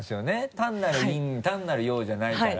単なる陰単なる陽じゃないから。